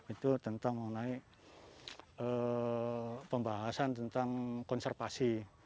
itu tentang mengenai pembahasan tentang konservasi